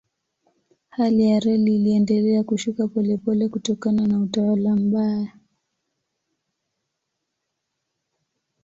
Hali ya reli iliendelea kushuka polepole kutokana na utawala mbaya.